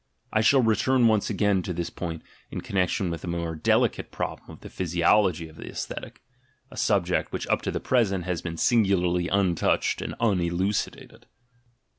(I shall return once again to this point in connection with the more delicate problems of the physiology of the (esthetic, a subject which up to the present has been singularly untouched and uneluci dated.)